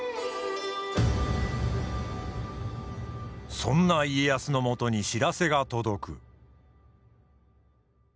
そんな家康のもとに知らせが届く。